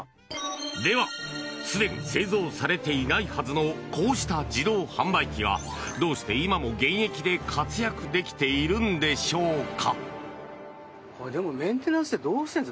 では、すでに製造されていないはずのこうした自動販売機がどうして、今も現役で活躍できているのでしょうか。